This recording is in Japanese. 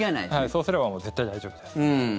そうすれば絶対大丈夫です。